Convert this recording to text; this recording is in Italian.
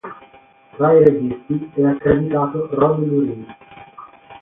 Tra i registi è accreditato Rod Lurie.